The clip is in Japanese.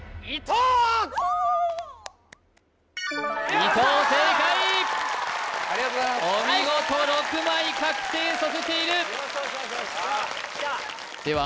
伊藤正解お見事６枚確定させているでは